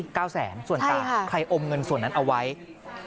๙๐๐๐๐๐บาทส่วนต่างใครอมเงินส่วนนั้นเอาไว้ใช่ค่ะ